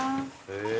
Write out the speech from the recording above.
へえ。